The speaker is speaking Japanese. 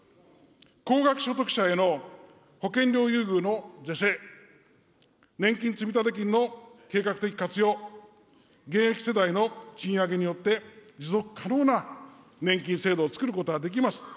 高額所得者への保険料優遇の是正、年金積立金の計画的活用、現役世代の賃上げによって、持続可能な年金制度をつくることはできます。